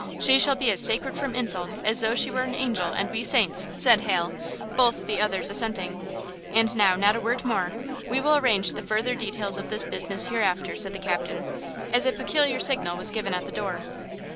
She shall be as sacred from insult as though she were an angel and we saints!" said Hal, both the others assenting. "And now, not a word more. We will arrange the further details of this business hereafter," said the captain, as a peculiar signal was given at the door.